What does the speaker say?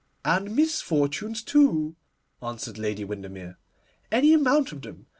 'And misfortunes, too,' answered Lady Windermere, 'any amount of them.